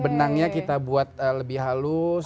benangnya kita buat lebih halus